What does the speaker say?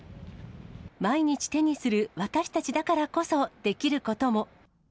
毎日手にする私たちだからこそできることも。